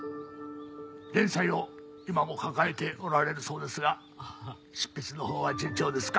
連載を今も抱えておられるそうですが執筆のほうは順調ですか？